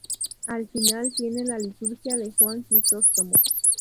Al final tiene la liturgia de Juan Crisóstomo.